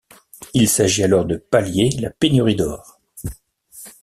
Il s'agit alors de pallier la pénurie d'or.